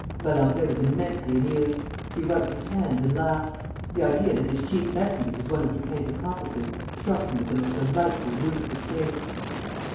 Valenglay was immensely amused. He rubbed his hands and laughed. The idea that his chief messenger was one of Lupin's accomplices struck him as a most delightfully ludicrous thing.